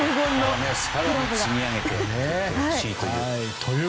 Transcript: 着々と積み上げていってほしいという。